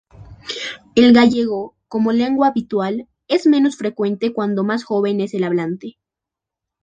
El gallego como lengua habitual es menos frecuente cuanto más joven es el hablante.